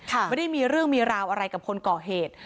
ไม่ได้มีเรื่องมีราวอะไรกับคนก่อเหตุ